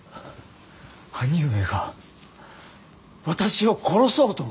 兄上が私を殺そうと？